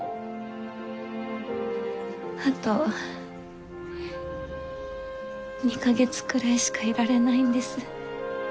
あと２か月くらいしかいられないんです。